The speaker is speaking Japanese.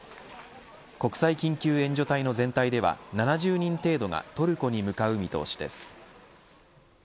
国際緊急援助隊の全体では７０人程度がトルコに向かう見通しです。